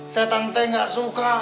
setan gue nggak suka